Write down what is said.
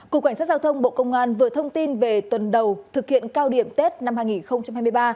cục cảnh sát giao thông bộ công an vừa thông tin về tuần đầu thực hiện cao điểm tết năm hai nghìn hai mươi ba